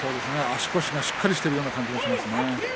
足腰がしっかりしてる感じがします。